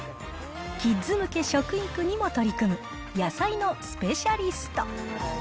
キッズ向け食育にも取り組む、野菜のスペシャリスト。